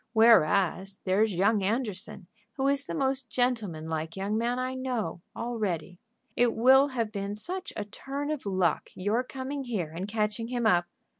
"Whereas there's young Anderson, who is the most gentleman like young man I know, all ready. It will have been such a turn of luck your coming here and catching him up."